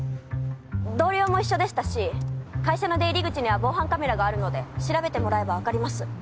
同僚も一緒でしたし会社の出入り口には防犯カメラがあるので調べてもらえば分かります。